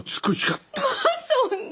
まあそんな。